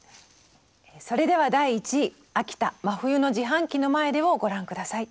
それでは第１位「秋田真冬の自販機の前で」をご覧下さい。